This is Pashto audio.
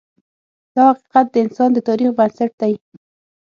دا حقیقت د انسان د تاریخ بنسټ دی.